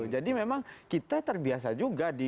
jadi memang kita terbiasa juga